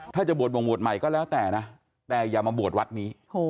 ถ้าจะบวชวงบวชใหม่ก็แล้วแต่นะแต่อย่ามาบวชวัดนี้